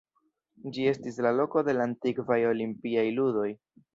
Ĝi estis la loko de la antikvaj olimpiaj ludoj.